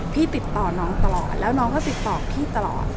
พี่ติดต่อนมองต่อแล้วเนาะก็ติดต่อพี่ตลอด